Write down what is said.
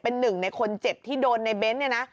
เป็นหนึ่งในคนเจ็บที่โดนในเบ้นเนี่ยนะ